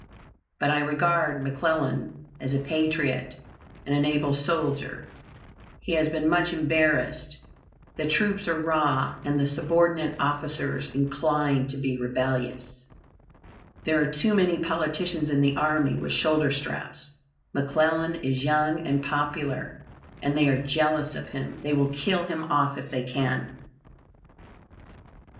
"But I regard McClellan as a patriot and an able soldier. He has been much embarrassed. The troops are raw, and the subordinate officers inclined to be rebellious. There are too many politicians in the army with shoulder straps. McClellan is young and popular, and they are jealous of him. They will kill him off if they can."